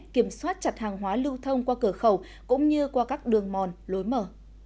kiểm soát chặt hàng hóa lưu thông qua cửa khẩu cũng như qua các đường mòn lối mở